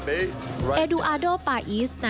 ที่นี้ทือเป็นจุดกำเนิดของเมืองลิโอเดอร์จานีโรบอกว่า